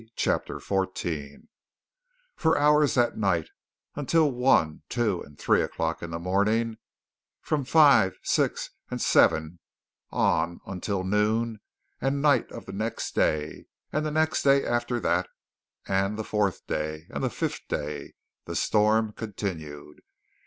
CHAPTER XIV For hours that night, until one, two, and three o'clock in the morning; from five, six and seven on until noon and night of the next day, and the next day after that and the fourth day and the fifth day, the storm continued.